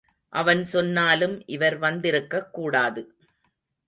அவன் சொன்னாலும் இவர் வந்திருக்கக்கூடாது.